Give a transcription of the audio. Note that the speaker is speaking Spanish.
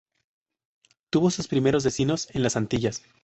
Tuvo sus primeros destinos en las Antillas.